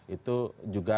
itu juga war terpidana disana